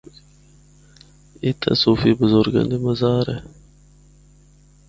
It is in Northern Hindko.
اِتھا صوفی برزگاں دا مزار اے۔